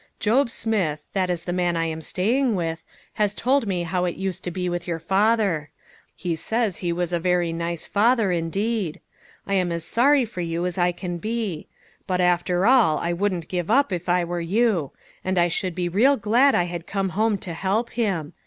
Job Smith that is the man I am staying with has told me how it used to be with your father. He says he was a very nice father indeed. I am as sorry for you as I can be. But after all, I wouldn't give up if I were you ; and I should be real glad that I had come home to help him.